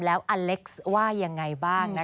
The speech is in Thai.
แล้วอเล็กซ์ว่ายังไงบ้างนะคะ